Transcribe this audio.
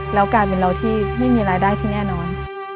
แล้วกลายเป็นเราที่ไม่มีรายได้ที่แน่นอน